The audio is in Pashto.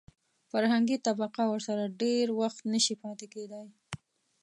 فرهنګي طبقه ورسره ډېر وخت نشي پاتې کېدای.